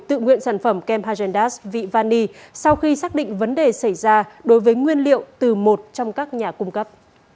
tự nguyện sản phẩm kem hargendas vị vani sau khi xác định vấn đề xảy ra đối với nguyên liệu từ một trong các nhà cung cấp